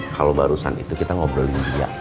kalau barusan itu kita ngobrol di dia